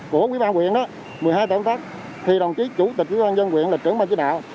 của quỹ ban huyện đó một mươi hai tổ công tác thì đồng chí chủ tịch quỹ ban dân huyện là trưởng ban chỉ đạo